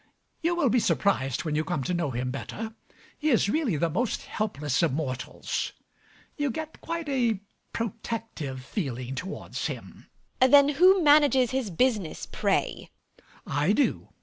You will be surprised when you come to know him better: he is really the most helpless of mortals. You get quite a protective feeling towards him. MRS HUSHABYE. Then who manages his business, pray? MAZZINI. I do.